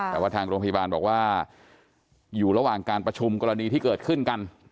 แต่ว่าทางโรงพยาบาลบอกว่าอยู่ระหว่างการประชุมกรณีที่เกิดขึ้นกัน